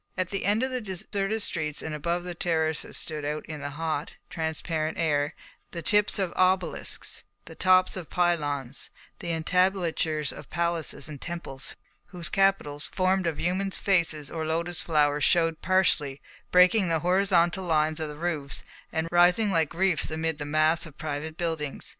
At the end of the deserted streets and above the terraces stood out in the hot, transparent air the tips of obelisks, the tops of pylons, the entablatures of palaces and temples, whose capitals, formed of human faces or lotus flowers, showed partially, breaking the horizontal lines of the roofs and rising like reefs amid the mass of private buildings.